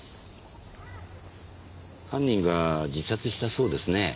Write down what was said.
犯人が自殺したそうですねぇ。